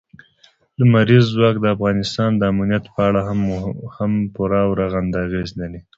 لمریز ځواک د افغانستان د امنیت په اړه هم پوره او رغنده اغېز لري.